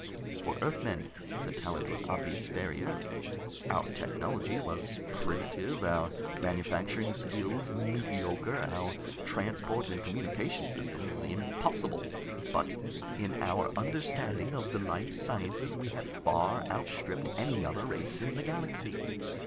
For Earthmen, the talent was obvious very early. Our technology was primitive, our manufacturing skills mediocre, our transport and communications systems impossible. But in our understanding of the life sciences, we have far outstripped any other race in the galaxy.